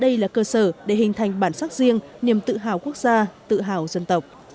đây là cơ sở để hình thành bản sắc riêng niềm tự hào quốc gia tự hào dân tộc